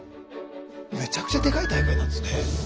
めちゃくちゃでかい大会なんですね。